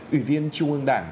ủy viên trung ương đảng